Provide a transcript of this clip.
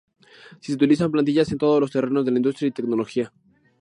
Si se utilizan plantillas en todos los terrenos de la industria y la tecnología.